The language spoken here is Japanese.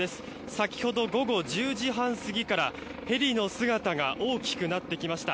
先ほど午後１０時半過ぎからヘリの姿が大きくなってきました。